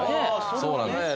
そうなんですよ。